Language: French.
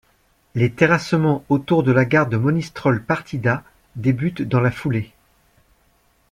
Les terrassements autour de la gare de Monistrol Partida débutent dans la foulée.